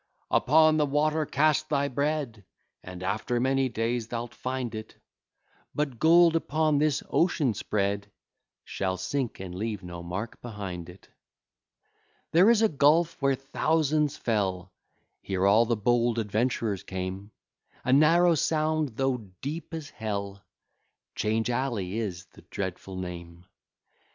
"Upon the water cast thy bread, And after many days thou'lt find it;" But gold, upon this ocean spread, Shall sink, and leave no mark behind it: There is a gulf, where thousands fell, Here all the bold adventurers came, A narrow sound, though deep as Hell 'Change Alley is the dreadful name.